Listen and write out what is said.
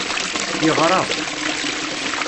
Yeɣra.